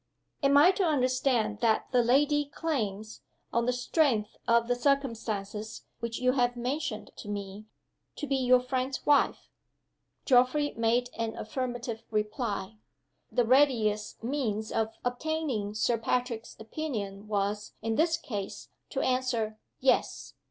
"Am I to understand that the lady claims, on the strength of the circumstances which you have mentioned to me, to be your friend's wife?" Geoffrey made an affirmative reply. The readiest means of obtaining Sir Patrick's opinion was, in this case, to answer, Yes.